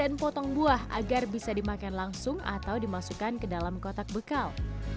potong buah agar bisa dimakan langsung atau dimasukkan ke dalam kotak bekal